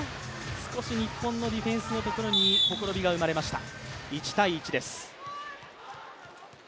少し日本のディフェンスのところに、ほころびが生まれました。